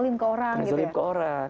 pernah zolim ke orang